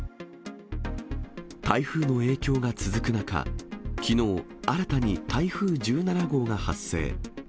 台風の影響が続く中、きのう、新たに台風１７号が発生。